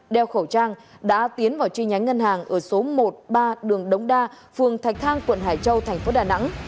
đeo khẩu trang đã tiến vào truy nhánh ngân hàng ở số một ba đường đống đa phường thạch thang quận hải châu tp đà nẵng